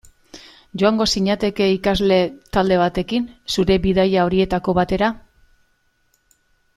Joango zinateke ikasle talde batekin zure bidaia horietako batera?